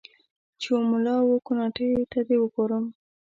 چې و مـــلا و کوناټیــــو ته دې ګورم